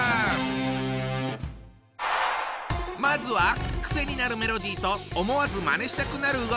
まずは癖になるメロディーと思わずまねしたくなる動き！